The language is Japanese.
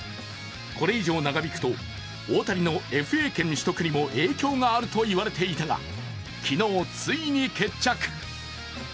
これ以上長引くと大谷のＦＡ権取得にも影響があると言われていたが、昨日ついに決着。